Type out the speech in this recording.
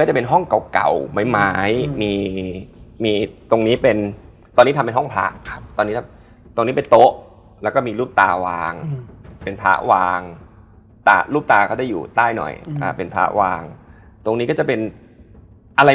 มันไม่มีโรงแรมแล้วตอนนั้นน่ะ